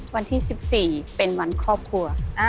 วันที่๑๔เป็นวันครอบครัว